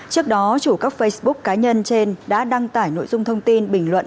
trước đó chủ các facebook cá nhân trên đã đăng tải nội dung thông tin bình luận